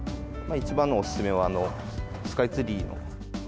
一番のお勧めは、スカイツリーの。